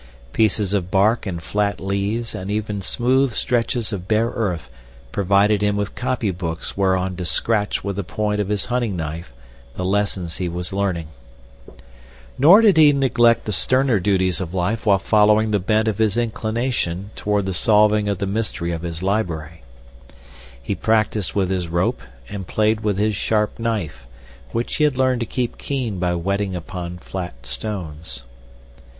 Pieces of bark and flat leaves and even smooth stretches of bare earth provided him with copy books whereon to scratch with the point of his hunting knife the lessons he was learning. Nor did he neglect the sterner duties of life while following the bent of his inclination toward the solving of the mystery of his library. He practiced with his rope and played with his sharp knife, which he had learned to keep keen by whetting upon flat stones.